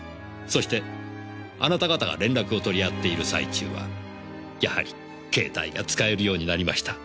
そしてあなた方が連絡を取り合っている最中はやはり携帯が使えるようになりました。